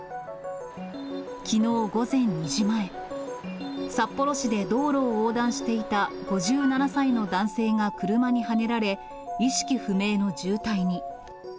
きのう午前２時前、札幌市で道路を横断していた５７歳の男性が車にはねられ、意識不明の重体に。